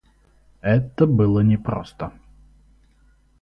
Это было непросто.